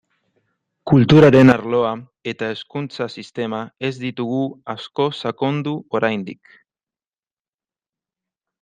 Kulturaren arloa eta hezkuntza sistema ez ditugu asko sakondu oraindik.